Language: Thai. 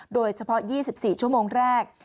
โดยเฉพาะ๒๔ชั่วโมงแรก